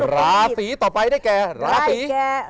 ราสีต่อไปได้แกราสีกุ้ม